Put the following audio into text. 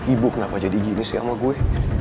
ibu kenapa jadi gini sih sama gue